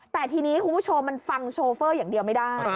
แต่ทีนี้คุณผู้ชมมันฟังโชเฟอร์อย่างเดียวไม่ได้